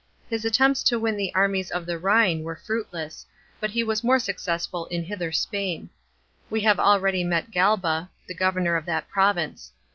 His attempts to win the armies of the Rhine were fruii less, but he was more successful in Hither Spain. We have already met Galba, the governor of that province.